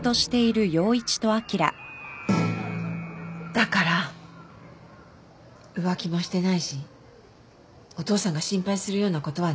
だから浮気もしてないしお父さんが心配するようなことは何も。